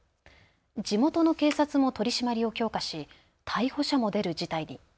地元の警察も取締りを強化し逮捕者も出る事態に。